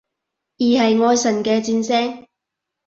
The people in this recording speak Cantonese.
而係愛神嘅箭聲？